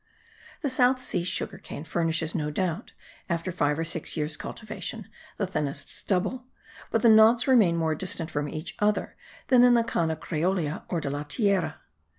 The South Sea sugar cane furnishes, no doubt, after five or six years' cultivation, the thinnest stubble, but the knots remain more distant from each other than in the Cana creolia or de la tierra.